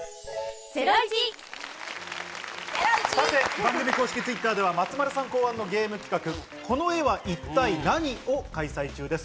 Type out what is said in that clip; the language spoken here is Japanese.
番組公式Ｔｗｉｔｔｅｒでは松丸さん考案のゲーム企画「この絵は一体ナニ！？」を開催中です。